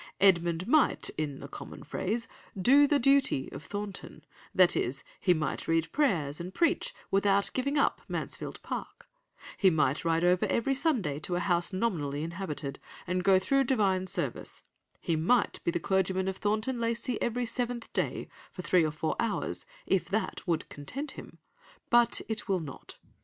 Edmund might, in the common phrase, do the duty of Thornton, that is, he might read prayers and preach without giving up Mansfield Park; he might ride over every Sunday to a house nominally inhabited, and go through divine service; he might be the clergyman of Thornton Lacey every seventh day, for three or four hours, if that would content him. But it will not.